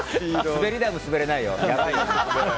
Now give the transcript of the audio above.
滑り台も滑れないよ。